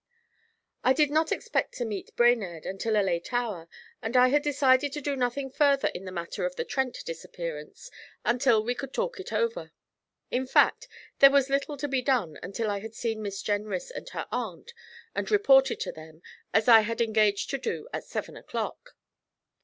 I did not expect to meet Brainerd until a late hour, and I had decided to do nothing further in the matter of the Trent disappearance until we could talk it over. In fact, there was little to be done until I had seen Miss Jenrys and her aunt, and reported to them, as I had engaged to do at seven o'clock.